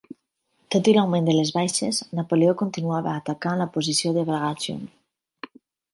Tot i l'augment de les baixes, Napoleó continuava atacant la posició de Bagration.